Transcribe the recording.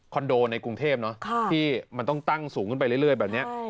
โดในกรุงเทพที่มันต้องตั้งสูงขึ้นไปเรื่อยแบบนี้